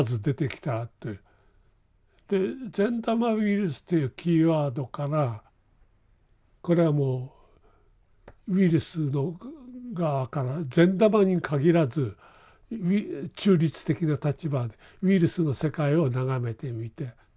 で善玉ウイルスというキーワードからこれはもうウイルスの側から善玉に限らず中立的な立場でウイルスの世界を眺めてみて。